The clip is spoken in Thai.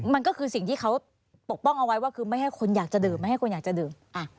มันก็คือสิ่งที่เขาปกป้องเอาไว้ว่าคือไม่ให้คนอยากจะดื่มไม่ให้คนอยากจะดื่ม